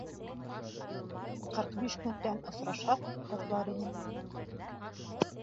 Ҡырҡ биш көндән осрашһаҡ, ҡотлар инең.